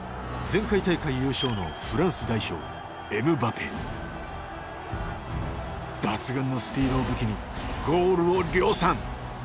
前回大会優勝のフランス代表抜群のスピードを武器にゴールを量産。